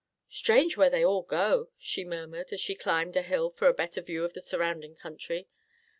"Strange where they all go," she murmured as she climbed a hill for a better view of the surrounding country.